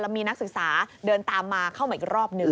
มีนักศึกษาเดินตามมาเข้ามาอีกรอบหนึ่ง